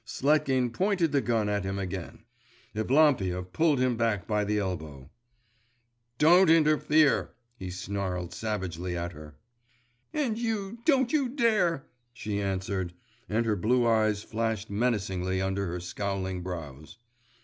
Sletkin pointed the gun at him again. Evlampia pulled him back by the elbow. 'Don't interfere!' he snarled savagely at her. 'And you don't you dare!' she answered; and her blue eyes flashed menacingly under her scowling brows.